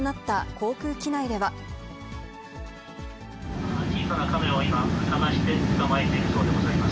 小さなカメを今捜して、捕まえているそうでございます。